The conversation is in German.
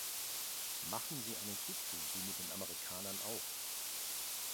Machen Sie einen Gipfel wie mit den Amerikanern auch.